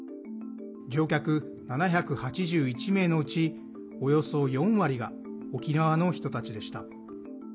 乗客７８１名のうちおよそ４割が沖縄の人たちでした。